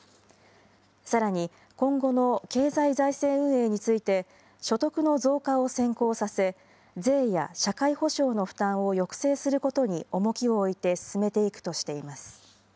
さらに、今後の経済財政運営について、所得の増加を先行させ、税や社会保障の負担を抑制することに重きを置いて進めていくとしています。